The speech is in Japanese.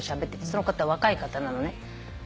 その方若い方なのね。